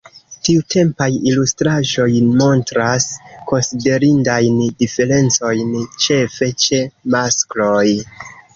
Tiutempaj ilustraĵoj montras konsiderindajn diferencojn, ĉefe ĉe maskloj.